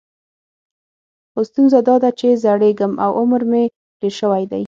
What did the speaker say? خو ستونزه دا ده چې زړیږم او عمر مې ډېر شوی دی.